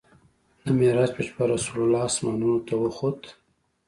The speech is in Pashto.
د معراج په شپه رسول الله اسمانونو ته وخوت.